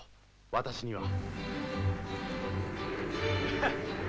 私には。